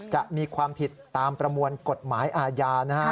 จะมีความผิดตามประมวลกฎหมายอาญานะฮะ